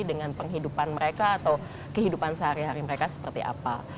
dengan penghidupan mereka atau kehidupan sehari hari mereka seperti apa